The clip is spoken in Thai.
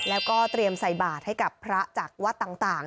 แล้วก็เตรียมใส่บาทให้กับพระจากวัดต่าง